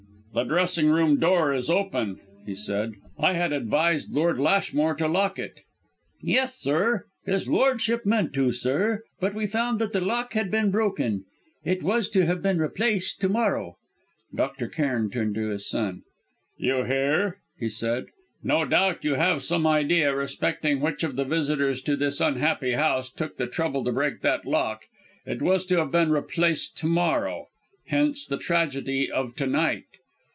"The dressing room door is open," he said. "I had advised Lord Lashmore to lock it." "Yes, sir; his lordship meant to, sir. But we found that the lock had been broken. It was to have been replaced to morrow." Dr. Cairn turned to his son. "You hear?" he said. "No doubt you have some idea respecting which of the visitors to this unhappy house took the trouble to break that lock? It was to have been replaced to morrow; hence the tragedy of to night."